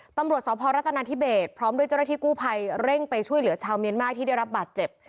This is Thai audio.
ตำรวจสพรัฐนาธิเบสพร้อมด้วยเจ้าหน้าที่กู้ภัยเร่งไปช่วยเหลือชาวเมียนมากที่ได้รับบาดเจ็บ